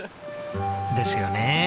ですよね。